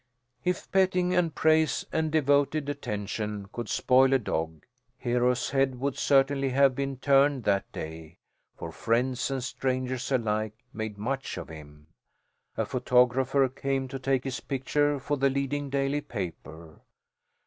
If petting and praise and devoted attention could spoil a dog, Hero's head would certainly have been turned that day, for friends and strangers alike made much of him. A photographer came to take his picture for the leading daily paper.